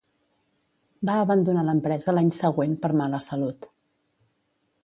Va abandonar l'empresa l'any següent per mala salut.